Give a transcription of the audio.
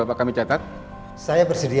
pak sid pak sid